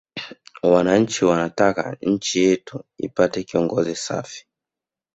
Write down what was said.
Wananchi tunataka nchi yetu ipate kiongozi safi